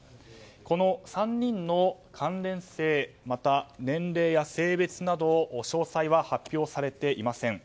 この３人の関連性また、年齢や性別などの詳細は発表されていません。